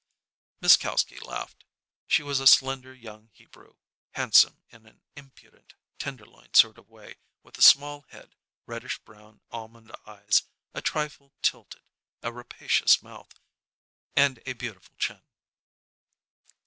Miss Kalski laughed. She was a slender young Hebrew, handsome in an impudent, Tenderloin sort of way, with a small head, reddish brown almond eyes, a trifle tilted, a rapacious mouth, and a beautiful chin.